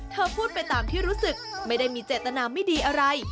พูดไปตามที่รู้สึกไม่ได้มีเจตนาไม่ดีอะไร